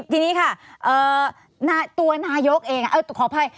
ทีนี้ค่ะตัวนายกเองขออภัย